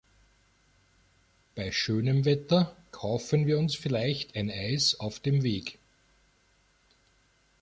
Bei schönem Wetter kaufen wir uns vielleicht ein Eis auf dem Weg.